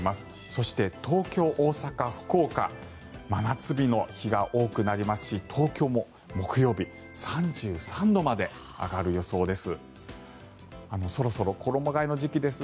そして東京、大阪、福岡真夏日の日が多くなりますし東京も木曜日３３度まで上がる予想です。